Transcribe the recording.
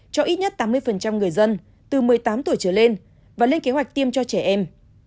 cho ít nhất tám mươi người dân từ một mươi tám tuổi trở lên và lên kế hoạch tiêm cho trẻ em